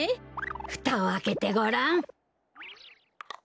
ふたをあけてごらん。